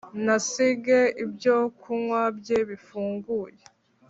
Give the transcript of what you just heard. ntasige ibyo kunywa bye bifunguye,